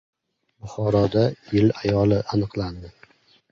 Buxoroda «Yil ayoli» aniqlandi